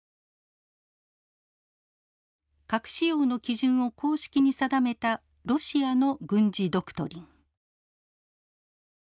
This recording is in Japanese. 核使用の基準を公式に定めたロシアの軍事ドクトリン。